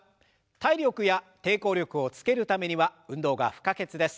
体力や抵抗力をつけるためには運動が不可欠です。